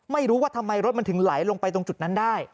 ไม่รู้ว่าทำไมรถมันถึงไหลลงไปตรงจุดนั้นได้